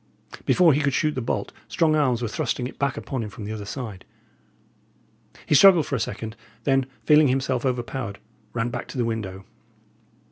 Before he could shoot the bolt, strong arms were thrusting it back upon him from the other side. He struggled for a second; then, feeling himself overpowered, ran back to the window.